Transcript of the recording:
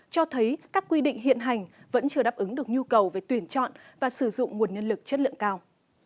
cho thấy các quy định hiện hành vẫn chưa đáp ứng được nhu cầu về tuyển chọn và sử dụng nguồn nhân lực chất lượng cao